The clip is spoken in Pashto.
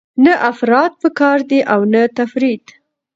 نه افراط پکار دی او نه تفریط.